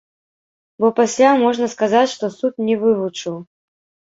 Бо пасля можна сказаць, што суд не вывучыў.